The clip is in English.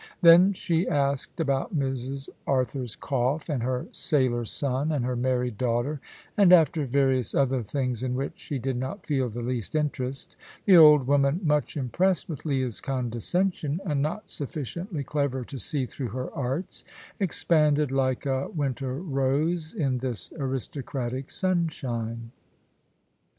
Then she asked about Mrs. Arthur's cough, and her sailor son, and her married daughter, and after various other things in which she did not feel the least interest. The old woman, much impressed with Leah's condescension, and not sufficiently clever to see through her arts, expanded like a winter rose in this aristocratic sunshine.